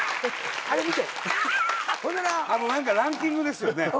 何かランキングですよね。